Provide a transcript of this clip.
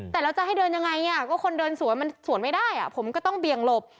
แต่เราจะให้เดินยังไงก็คนเดินสวนมันสวนไม่ได้ผมก็ต้องเบี่ยงหลบ